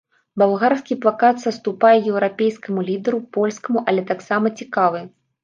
Балгарскі плакат саступае еўрапейскаму лідару, польскаму, але таксама цікавы.